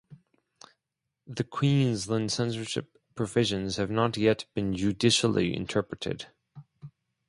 The Queensland censorship provisions have not yet been judicially interpreted.